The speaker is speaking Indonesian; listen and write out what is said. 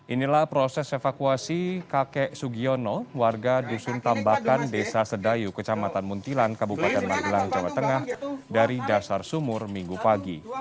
inilah proses evakuasi kakek sugiono warga dusun tambakan desa sedayu kecamatan muntilan kabupaten magelang jawa tengah dari dasar sumur minggu pagi